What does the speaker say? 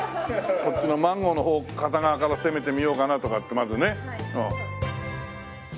こっちのマンゴーの方片側から攻めてみようかなとかってまずね。